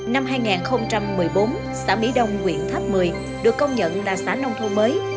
năm hai nghìn một mươi bốn xã mỹ đông quyện tháp một mươi được công nhận là xã nông thôn mới